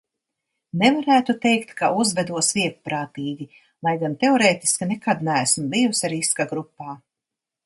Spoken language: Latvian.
Nevarētu teikt, ka uzvedos vieglprātīgi, lai gan teorētiski nekad neesmu bijusi riska grupā.